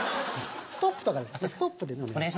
ストップとかでストップでね。